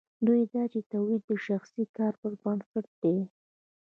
دویم دا چې تولید د شخصي کار پر بنسټ دی.